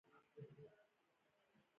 هغه ډېره خوندوره سنوکر لوبه وکړله.